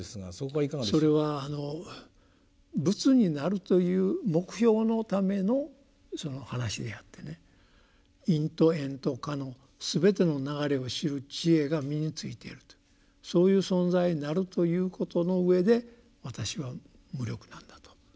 それはあの仏になるという目標のための話であってね「因」と「縁」と「果」の全ての流れを知る智慧が身についているとそういう存在になるということのうえで私は無力なんだと。